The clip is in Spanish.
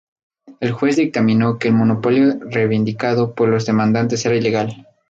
El juez dictaminó que el monopolio reivindicado por los demandantes era ilegal.